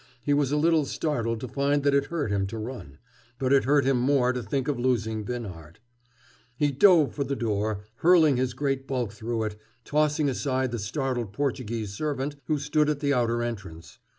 He was a little startled to find that it hurt him to run. But it hurt him more to think of losing Binhart. He dove for the door, hurling his great bulk through it, tossing aside the startled Portuguese servant who stood at the outer entrance.